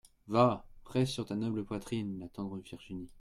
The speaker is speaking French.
Va, presse sur ta noble poitrine la tendre Virginie.